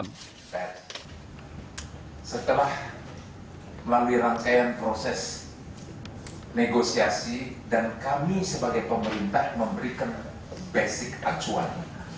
setelah melalui rangkaian proses negosiasi dan kami sebagai pemerintah memberikan basic acuan